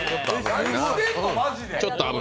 何してんの、マジで。